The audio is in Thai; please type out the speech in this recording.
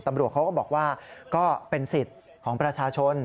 ตำรวจเขาก็บอกว่าก็เป็นสิทธิ์ของประชาชน